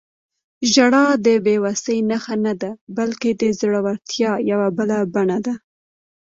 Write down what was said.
• ژړا د بې وسۍ نښه نه ده، بلکې د زړورتیا یوه بله بڼه ده.